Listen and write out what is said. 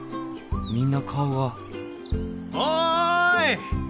みんな顔がおい！